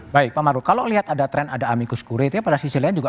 baik pak maru kalau lihat ada tren ada amicu security pada sisi lain juga